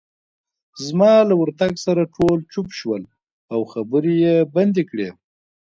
زما له ورتګ سره ټول چوپ شول، او خبرې يې بندې کړې.